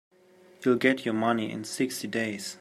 You'll get your money in sixty days.